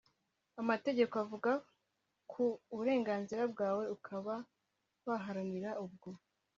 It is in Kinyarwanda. amategeko avuga ku burenganzira bwawe ukaba waharanira ubwo